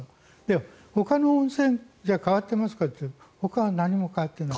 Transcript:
ほかの温泉は変わってますかというとほかは何も変わっていない。